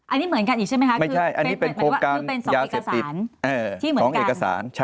อันนี้เหมือนกันอีกใช่ไหมคะคือเป็น๒เอกสาร